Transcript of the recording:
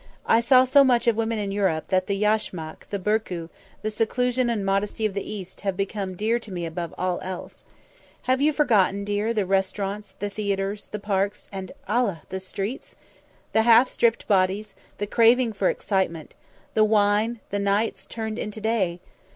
I saw so much of woman in Europe that the yashmak, the barku, the seclusion and modesty of the East have become dear to me above all else. Have you forgotten, dear, the restaurants, the theatres, the parks and, Allah! the streets? The half stripped bodies, the craving for excitement, the wine, the nights turned into day!